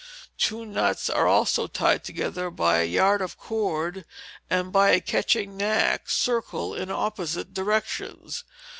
Two nuts are also tied together by a yard of cord, and, by a catching knack, circled in opposite directions.